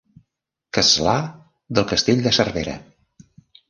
Castlà del castell de Cervera.